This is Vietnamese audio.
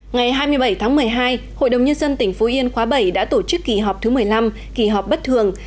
ngày hai mươi bảy tháng một mươi hai hội đồng nhân dân tỉnh phú yên khóa bảy đã tổ chức kỳ họp thứ một mươi năm kỳ họp bất thường